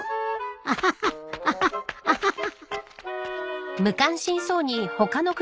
アハハアハアハハ。